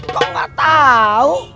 kok nggak tahu